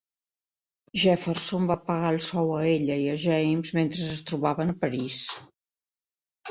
Jefferson va pagar el sou a ella i a James mentre es trobaven a París.